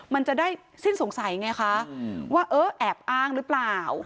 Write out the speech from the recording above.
มันจะได้สิ้นสงสัยไงคะว่าเออแอบอ้างหรือเปล่า